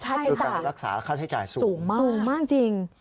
ใช่ค่ะใช่ค่ะค่าช่ายจ่ายสูงสูงมากจริง